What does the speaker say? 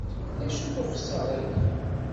D acu-t uxeṣṣar-agi?